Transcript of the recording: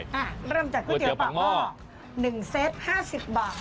เริ่มจากก๋วยเตี๋ยปากหม้อ๑เซต๕๐บาท